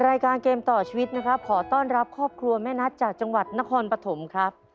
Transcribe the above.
รายการเกมต่อชีวิตนะครับขอต้อนรับครอบครัวแม่นัทจากจังหวัดนครปฐมครับ